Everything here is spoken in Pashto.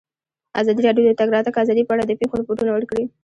ازادي راډیو د د تګ راتګ ازادي په اړه د پېښو رپوټونه ورکړي.